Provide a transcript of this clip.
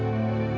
aku mau balik